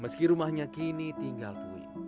meski rumahnya kini tinggal pui